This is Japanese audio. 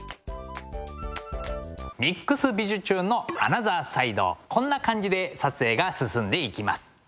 「ＭＩＸびじゅチューン！」のアナザーサイドこんな感じで撮影が進んでいきます。